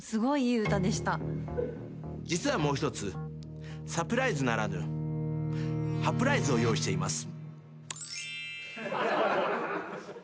実はもう一つサプライズならぬ歯プライズを用意しています。